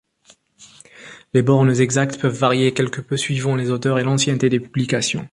Les bornes exactes peuvent varier quelque peu suivant les auteurs et l’ancienneté des publications.